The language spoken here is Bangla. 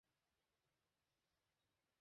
সাজানো বিয়ে তো চুষে খায়!